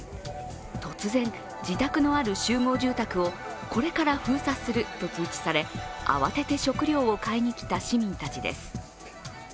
突然、自宅のある集合住宅をこれから封鎖すると通知され、慌てて食料を買いにきた市民たちです。